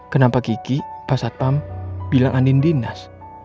kenapa kiki pak satpam bilang anin dinas